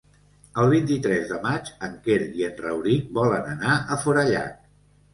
El vint-i-tres de maig en Quer i en Rauric volen anar a Forallac.